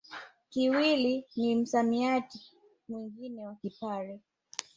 Kiwili ni msamiati mwingine wa Kipare